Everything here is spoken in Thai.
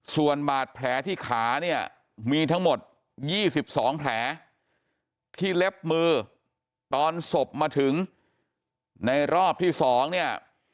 ส่วนบาดแผลที่ขาเนี่ยมีทั้งหมด๒๒แผลที่เล็บมือตอนศพมาถึงในรอบที่๒เนี่ย